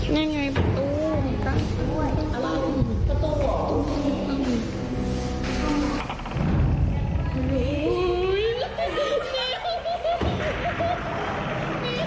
นั่นไงประตู